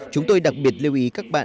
chúng tôi đặc biệt lưu ý các bạn